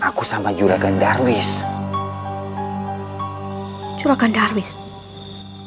aku sama juragan darwish hai juragan darwish